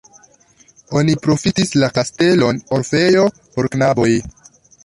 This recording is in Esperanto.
Oni profitis la kastelon orfejo por knaboj.